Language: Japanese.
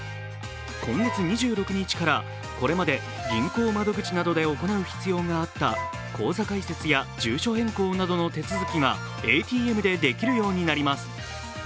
今月２６日からこれまで銀行窓口などで行う必要があった口座開設や住所変更などの手続きがＡＴＭでできるようになります。